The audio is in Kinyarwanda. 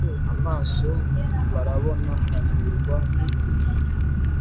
Amaso Barabona Hahirwa imibiri